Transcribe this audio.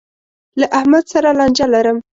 له احمد سره لانجه لرم.